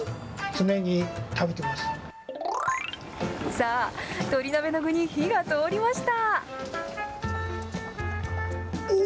さあ、とり鍋の具に火が通りました。